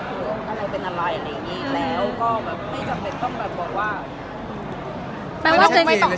แล้วก็ไม่จำเป็นต้องบอกว่า